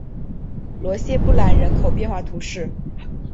罗谢布兰人口变化图示